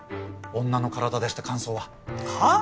女の体でした感想は。はあ！？